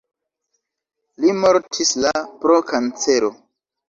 Li mortis la pro kancero.